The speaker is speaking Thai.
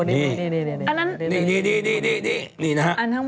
นี่อันทางบน